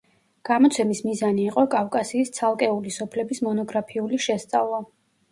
გამოცემის მიზანი იყო კავკასიის ცალკეული სოფლების მონოგრაფიული შესწავლა.